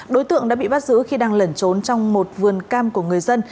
đối tượng đã bị bắt giữ khi đang lẩn trốn trong một vườn cam của người dân